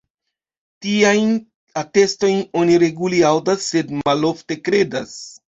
Tiajn atestojn oni regule aŭdas sed malofte kredas.